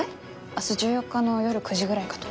明日１４日の夜９時ぐらいかと。